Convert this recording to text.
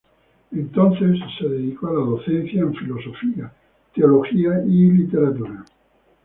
Entonces, se dedicó a la docencia en filosofía, teología y literatura.